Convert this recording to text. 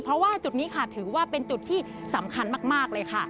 เพราะว่าจุดนี้ค่ะถือว่าเป็นจุดที่สำคัญมากเลยค่ะ